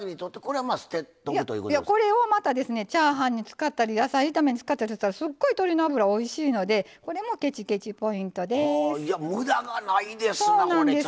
これをまたチャーハンに使ったり野菜炒めに使ったりすっごい鶏の脂おいしいのでこれもケチケチ・ポイントです。